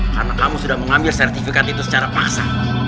karena kamu sudah mengambil sertifikat itu secara paksa